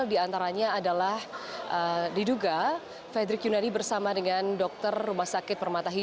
diantaranya adalah diduga fredrik yunadi bersama dengan dokter rumah sakit